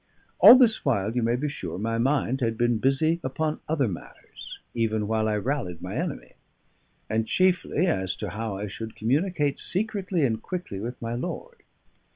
All this while, you may be sure, my mind had been busy upon other matters, even while I rallied my enemy; and chiefly as to how I should communicate secretly and quickly with my lord.